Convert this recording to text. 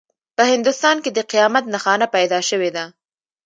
په هندوستان کې د قیامت نښانه پیدا شوې ده.